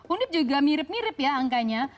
unip juga mirip mirip ya angkanya